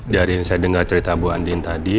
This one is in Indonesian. dari yang saya dengar cerita bu andin tadi